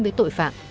với tội phạm